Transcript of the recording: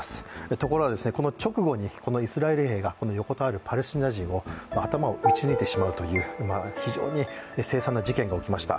ところがこの直後にこのイスラエル兵が横たわるパレスチナ人の頭を撃ち抜いてしまうという非常に凄惨な事件が起きました。